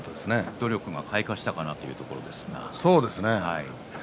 努力が開花したかなというところですね。